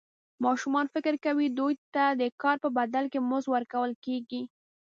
ماشومان فکر کوي دوی ته د کار په بدل کې مزد ورکول کېږي.